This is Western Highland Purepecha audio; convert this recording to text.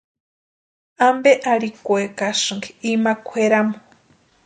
¿Ampe arhikwekasïnki ima kwʼeramu?